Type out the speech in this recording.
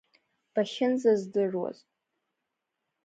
Бахьынӡаздыруаз…